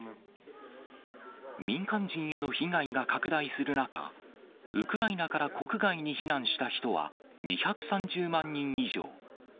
民間人への被害が拡大する中、ウクライナから国外に避難した人は２３０万人以上。